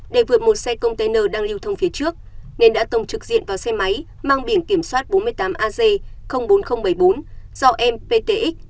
để vượt một xe container đang lưu thông phía trước nên đã tổng trực diện vào xe máy mang biển kiểm soát bốn mươi tám ag bốn nghìn bảy mươi bốn do em ptx